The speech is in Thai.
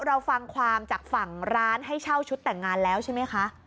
เราฟังความจากฝั่งร้านให้เช่าชุดแต่งงานแล้วใช่ไหมคะ